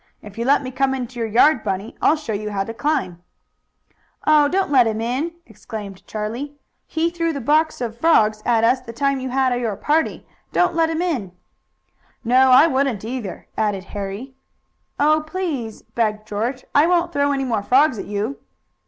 "If you let me come into your yard, Bunny, I'll show you how to climb." "Oh, don't let him in!" exclaimed Charlie. "He threw the box of frogs at us the time you had your party. Don't you let him in!" "No, I wouldn't, either," added Harry. "Oh, please!" begged George. "I won't throw any more frogs at you."